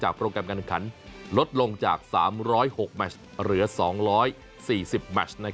โปรแกรมการแข่งขันลดลงจาก๓๐๖แมชเหลือ๒๔๐แมช